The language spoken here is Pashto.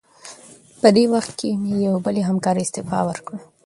په دې وخت کې مې یوې بلې همکارې استعفا ورکړه.